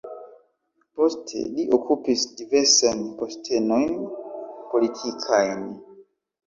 Poste li okupis diversajn postenojn politikajn.